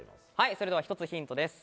それでは１つヒントです。